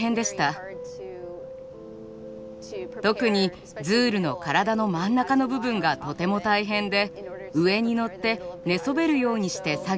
特にズールの体の真ん中の部分がとても大変で上に乗って寝そべるようにして作業しました。